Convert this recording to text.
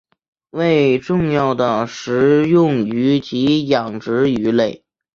为重要的食用鱼及养殖鱼类。